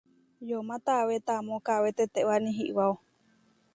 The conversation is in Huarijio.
Yomá tawé taamó kawé tetewáni iʼwáo.